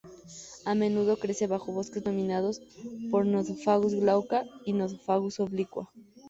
A menudo crece bajo bosques dominados por "Nothofagus glauca" y "Nothofagus obliqua".